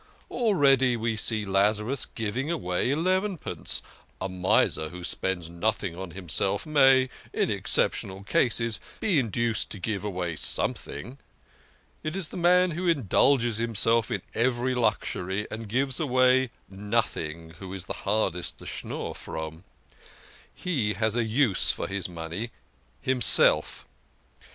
Already we see Lazarus giving away elevenpence. A miser who spends nothing on himself may, in exceptional cases, be induced to give away something. It is the man who indulges himself in every luxury and gives away nothing who is the hardest to schnorr from. He has a use for his money himself